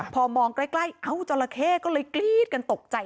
พอมองใกล้เอ้าจราเข้ก็เลยกรี๊ดกันตกใจ